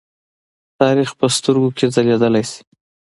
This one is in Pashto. تاریخ په سترګو کې ځليدلی شي.